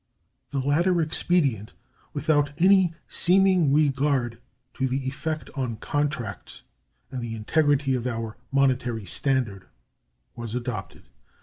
The latter expedient, without any seeming regard to the effect on contracts and the integrity of our monetary standard, was adopted: 6.